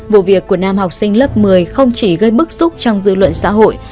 vụ việc của nam học sinh lớp một mươi không chỉ gây bức xúc trong dư luận xã hội